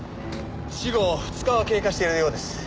死後２日は経過しているようです。